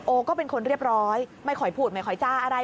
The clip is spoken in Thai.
ก็เป็นคนเรียบร้อยไม่ขอพูดไม่ค่อยจ้าอะไร